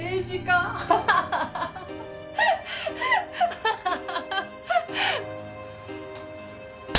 アハハハ！